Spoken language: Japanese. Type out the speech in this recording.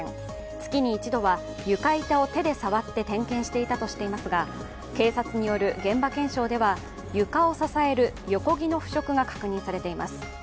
月に１度は床板を手で触って点検していたとしていますが警察による現場検証では床を支える横木の腐食が確認されています。